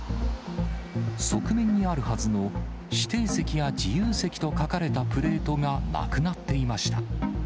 側面にあるはずの指定席や自由席と書かれたプレートがなくなっていました。